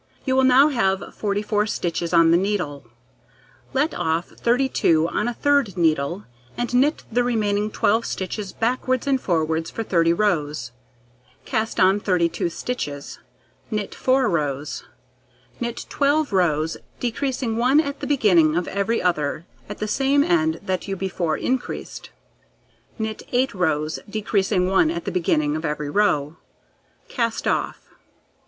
You will now have 44 stitches on the needle; let off 32 on to a third needle, and knit the remaining 12 stitches backwards and forwards for 30 rows, cast on 32 stitches, knit 4 rows, knit 12 rows, decreasing 1 at the beginning of every other at the same end that you before increased, knit 8 rows, decreasing 1 at the beginning of every row; cast off.